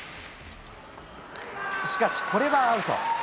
しかし、これはアウト。